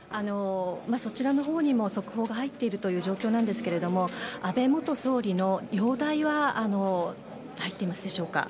そちらのほうにも速報が入っているという状況なんですが安倍元首相の容体は入っていますでしょうか？